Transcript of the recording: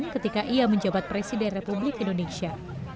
ketika ia menjabat presiden republik indonesia